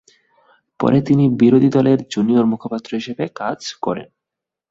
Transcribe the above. পরে তিনি বিরোধী দলের জুনিয়র মুখপাত্র হিসেবে কাজ করেন।